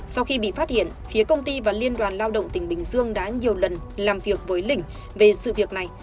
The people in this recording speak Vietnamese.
sau khi bị phát hiện phía công ty và liên đoàn lao động tỉnh bình dương đã nhiều lần làm việc với lình về sự việc này